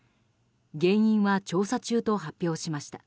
原因は調査中と発表しました。